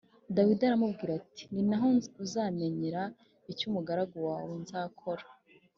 dawidi aramubwira ati “ni na ho uzamenyera icyo umugaragu wawe nzakora”